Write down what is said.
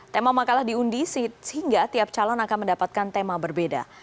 tema makalah diundi sehingga tiap calon akan mendapatkan tema berbeda